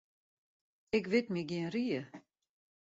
Ik wit my gjin rie.